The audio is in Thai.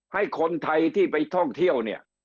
ให้คนไทยที่ไปท่องเที่ยวเนี่ย